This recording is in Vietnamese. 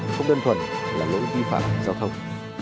không đơn thuần là lỗi vi phạm giao thông